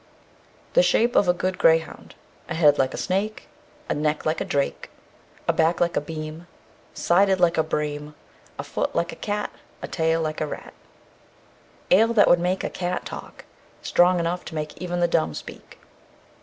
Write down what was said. The shape of a good greyhound: A head like a snake, a neck like a drake, A back like a beam, sided like a bream, A foot like a cat, a tail like a rat. Ale that would make a cat talk. Strong enough to make even the dumb speak.